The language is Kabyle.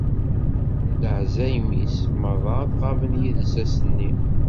Leɛzayem-is merra ad ɣaben yid-s ass-nni.